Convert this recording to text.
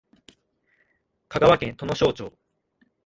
香川県土庄町